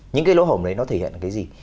những cái lỗ hổm đấy nó thể hiện cái gì